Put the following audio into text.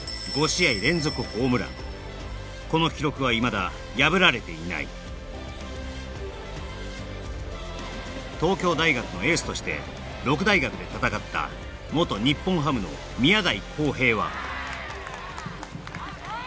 この記録はいまだ破られていない東京大学のエースとして六大学で戦った元日本ハムの宮台